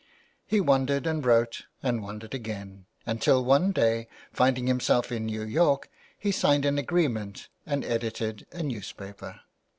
He wandered and wrote, and wandered again, until one day, finding himself in New York, he signed an agreement and edited a newspaper.